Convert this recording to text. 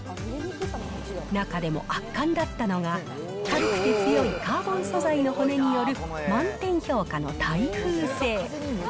中でも圧巻だったのが、軽くて強いカーボン素材の骨による、満点評価の耐風性。